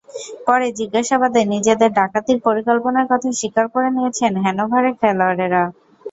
পরে জিজ্ঞাসাবাদে নিজেদের ডাকাতির পরিকল্পনার কথা স্বীকার করে নিয়েছেন হ্যানোভারের খেলোয়াড়েরা।